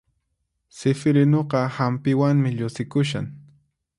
Sifirinuqa hampiwanmi llusikushan